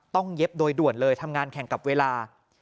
เย็บโดยด่วนเลยทำงานแข่งกับเวลา